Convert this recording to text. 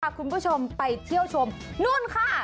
คุณผู้ชมไปเที่ยวชมนู่นค่ะ